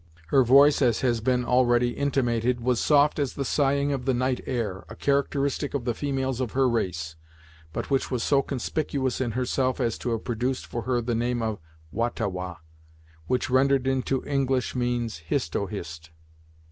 Her voice, as has been already intimated, was soft as the sighing of the night air, a characteristic of the females of her race, but which was so conspicuous in herself as to have produced for her the name of Wah ta Wah; which rendered into English means Hist oh Hist.